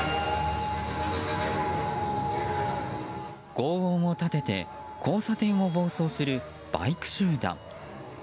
轟音を立てて交差点を暴走するバイク集団。